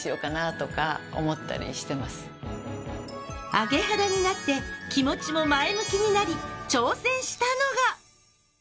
アゲ肌になって気持ちも前向きになり挑戦したのが。